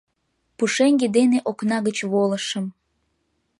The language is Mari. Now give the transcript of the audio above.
— Пушеҥге дене окна гыч волышым.